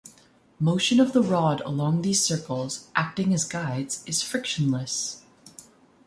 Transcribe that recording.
Motion of the rod along these circles, acting as guides, is frictionless.